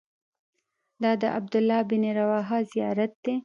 دا د عبدالله بن رواحه زیارت دی.